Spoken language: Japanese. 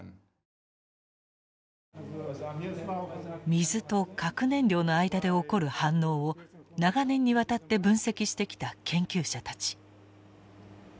水と核燃料の間で起こる反応を長年にわたって分析してきた研究者たち。